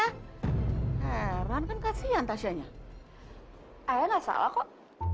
hai herman kasih antasanya ada salah kok